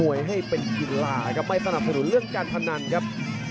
มวยให้เป็นกีฬานะครับไม่สนับผลหรือเรื่องการพันธุ์ครับ